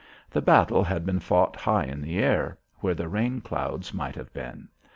The battle had been fought high in the air where the rain clouds might have been.